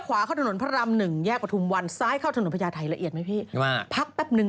หว่าได้ยาความปลอม